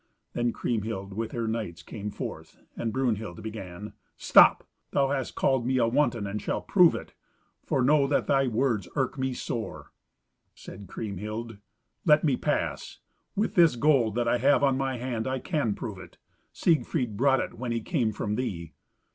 Then Kriemhild with her knights came forth, and Brunhild began, "Stop! thou hast called me a wanton and shalt prove it, for know that thy words irk me sore." Said Kriemhild, "Let me pass. With this gold that I have on my hand I can prove it. Siegfried brought it when he came from thee."